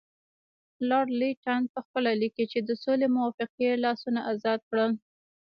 لارډ لیټن پخپله لیکي چې د سولې موافقې لاسونه ازاد کړل.